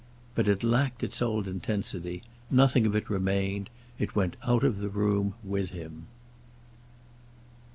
But it lacked its old intensity; nothing of it remained; it went out of the room with him.